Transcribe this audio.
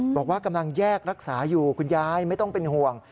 บอกว่ากำลังแยกรักษาอยู่คุณยายไม่ต้องเป็นห่วง